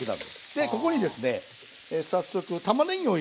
でここにですね早速たまねぎを入れます。